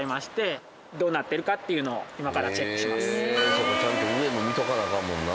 そうかちゃんと上も見とかなアカンもんな。